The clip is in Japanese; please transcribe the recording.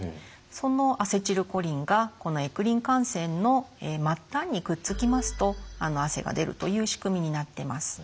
そのアセチルコリンがこのエクリン汗腺の末端にくっつきますと汗が出るという仕組みになってます。